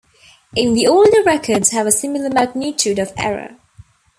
Even the older records have a similar magnitude of error.